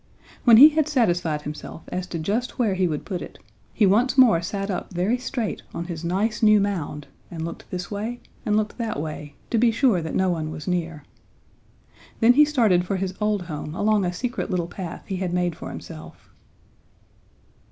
When he had satisfied himself as to just where he would put it, he once more sat up very straight on his nice, new mound and looked this way and looked that way to be sure that no one was near. Then he started for his old home along a secret little path he had made for himself.